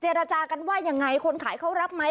จากันว่ายังไงคนขายเขารับไหม